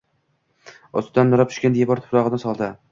Ustidan nurab tushgan devor tuprog‘ini soldi.